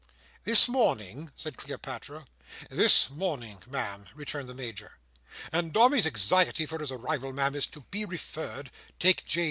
"This morning?" said Cleopatra. "This morning, Ma'am," returned the Major. "And Dombey's anxiety for his arrival, Ma'am, is to be referred—take J.